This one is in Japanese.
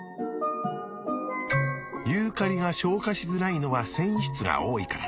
ユーカリが消化しづらいのは繊維質が多いから。